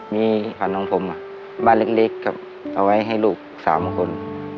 มีฝันน้องผมบ้านเล็กครับเอาไว้ให้ลูกสามคน